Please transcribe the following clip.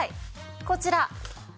こちら。